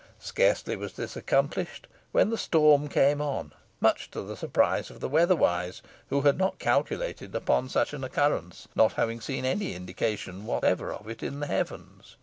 Scarcely was this accomplished when the storm came on, much to the surprise of the weatherwise, who had not calculated upon such an occurrence, not having seen any indications whatever of it in the heavens.